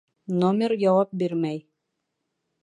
Номер яуап бирмәй